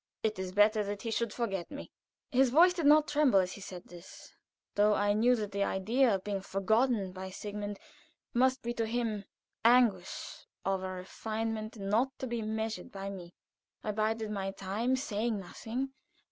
It is better that he should forget me." His voice did not tremble as he said this, though I knew that the idea of being forgotten by Sigmund must be to him anguish of a refinement not to be measured by me. I bided my time, saying nothing.